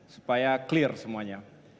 supaya clear semuanya